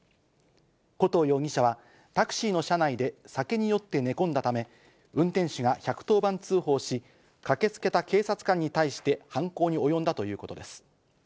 古東容疑者はタクシーの車内で酒に酔って寝込んだため、運転手が１１０番通報し、駆けつけた警察官に対して犯行に及んだということです。